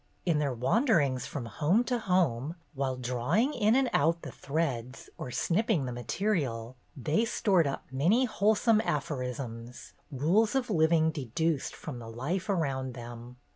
In their wanderings from home to home, while drawing in and out the threads or snip ping the material, they stored up many whole THE GOODS AND THE PATTERN 207 some aphorisms, rules of living deduced from the life around them.